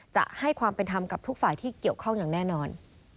จะให้ความเป็นธรรมกับทุกฝ่ายที่เกี่ยวข้องอย่างแน่นอน